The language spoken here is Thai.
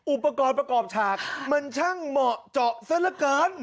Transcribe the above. อุปกรณ์ประกอบฉากมันช่างเหมาะเจาะซะละเกิน